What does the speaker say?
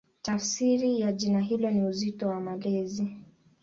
Tafsiri ya jina hilo ni "Uzito wa Malezi".